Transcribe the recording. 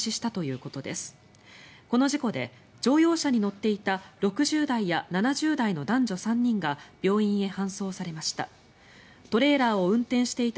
この事故で乗用車に乗っていた６０代や７０代の男女３人が病院へ搬送されました。